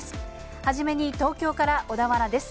初めに東京から小田原です。